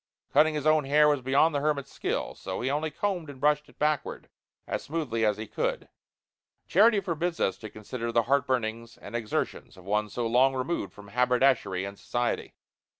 Cutting his own hair was beyond the hermit's skill. So he only combed and brushed it backward as smoothly as he could. Charity forbids us to consider the heartburnings and exertions of one so long removed from haberdashery and society.